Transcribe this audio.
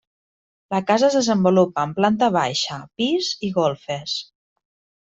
La casa es desenvolupa en planta baixa, pis i golfes.